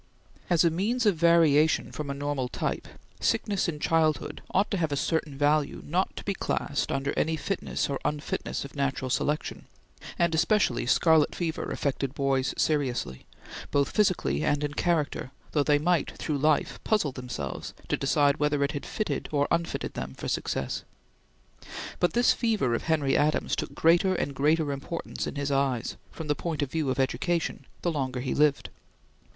As a means of variation from a normal type, sickness in childhood ought to have a certain value not to be classed under any fitness or unfitness of natural selection; and especially scarlet fever affected boys seriously, both physically and in character, though they might through life puzzle themselves to decide whether it had fitted or unfitted them for success; but this fever of Henry Adams took greater and greater importance in his eyes, from the point of view of education, the longer he lived.